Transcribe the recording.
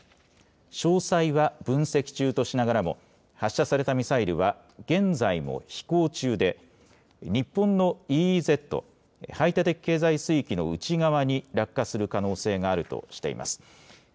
詳細は分析中としながらも発射されたミサイルは現在も飛行中で日本のＥＥＺ・排他的経済水域の内側に落下する可能性があるとしています。